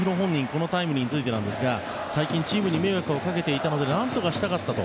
このタイムリーについてですが最近チームに迷惑をかけていたのでなんとかしたかったと。